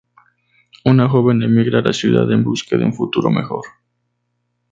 Un joven emigra a la ciudad en busca de un futuro mejor.